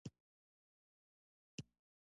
ځغاسته د بدن حرارت لوړوي